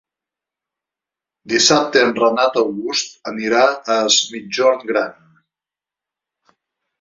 Dissabte en Renat August anirà a Es Migjorn Gran.